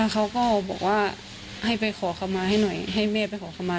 เขาก็บอกว่าให้ไปขอคำมาให้หน่อยให้แม่ไปขอคำมา